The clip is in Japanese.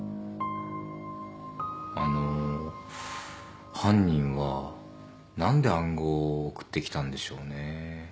あの犯人は何で暗号を送ってきたんでしょうね？